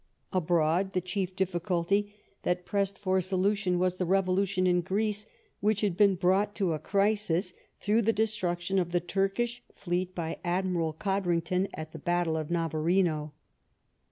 Abroad, the chief difficulty that pressed for solution was the revolution in Greece, which had been brought to a crisis through the destruction of the Turkish fleet by Admiral Codrington at the battle of Navarino.